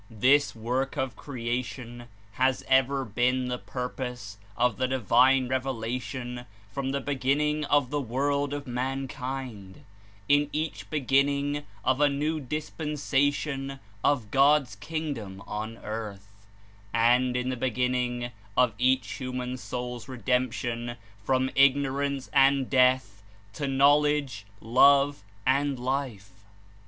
This work of creation has ever been the purpose of the divine revel ation from the beginning of the world of mankind, in each beginning of a new Dispensation of God's Kingdom on earth, and in the beginning of each hu man soul's redemption from ignorance and death to knowledge, love and life.